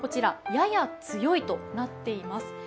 やや強いとなっています。